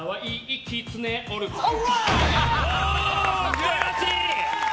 素晴らしい！